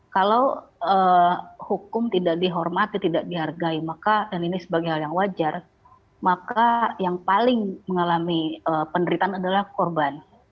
kalau hukum tidak dihormati tidak dihargai maka dan ini sebagai hal yang wajar maka yang paling mengalami penderitaan adalah korban